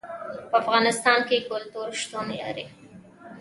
په افغانستان کې کلتور شتون لري.